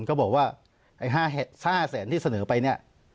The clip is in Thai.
เขาบอกว่าไอ้๕แสนที่เสนอไปนี่